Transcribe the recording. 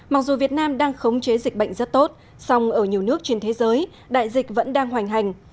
mặc dù việt nam đang khống chế dịch bệnh rất tốt song ở nhiều nước trên thế giới đại dịch vẫn đang hoành hành